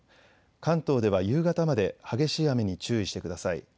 関東では夕方まで激しい雨に注意してください。